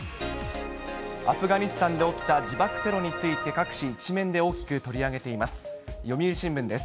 アフガニスタンで起きた自爆テロについて各紙、１面で大きく取り上げています。